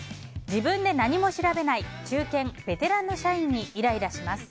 自分で何も調べない中堅・ベテランの社員にイライラします。